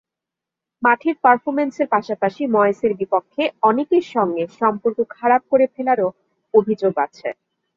মাঠের পারফরম্যান্সের পাশাপাশি ময়েসের বিপক্ষে অনেকের সঙ্গে সম্পর্ক খারাপ করে ফেলারও অভিযোগ আছে।